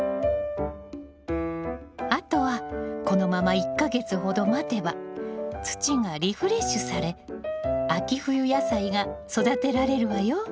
あとはこのまま１か月ほど待てば土がリフレッシュされ秋冬野菜が育てられるわよ。